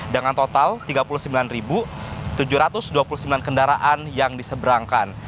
dengan total tiga puluh sembilan tujuh ratus dua puluh sembilan kendaraan yang diseberangkan